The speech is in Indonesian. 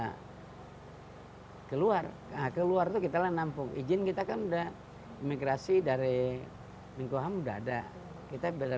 hai keluar keluar tuh kita nampuk izin kita kan udah migrasi dari minggu ham udah ada kita berada